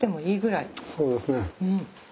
そうですね。